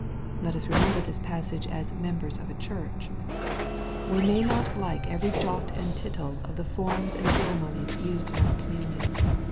Let us remember this passage as members of a church. We may not like every jot aod tittle of the forms and ceremonies used in our communion.